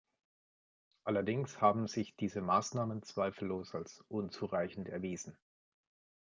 Allerdings haben sich diese Maßnahmen zweifellos als unzureichend erwiesen.